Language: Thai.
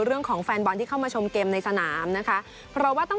แฟนบอลที่เข้ามาชมเกมในสนามนะคะเพราะว่าต้อง